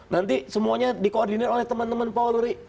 nanti semuanya di koordinir oleh teman teman polri